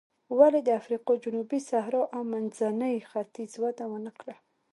ولې د افریقا جنوبي صحرا او منځني ختیځ وده ونه کړه.